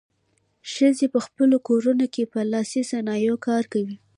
ښځې په خپلو کورونو کې په لاسي صنایعو کار کوي.